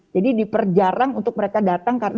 jadi diperjarang untuk mereka datang ke rumah sakit